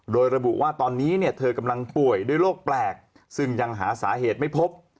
โดยระบุว่าตอนนี้เนี่ยเธอกำลังป่วยด้วยโรคแปลกซึ่งยังหาสาเหตุไม่พบ